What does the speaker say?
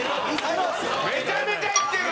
めちゃめちゃ生きてるわ！